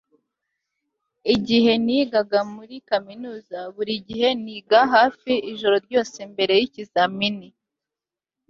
igihe nigaga muri kaminuza, buri gihe niga hafi ijoro ryose mbere yikizamini